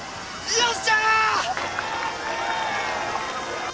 よっしゃ！